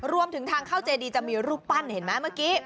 รวมถึงทางเข้าเจดีจะมีรูปปั้นเห็นไหมเมื่อกี้